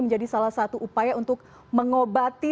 jadi salah satu upaya untuk mengobati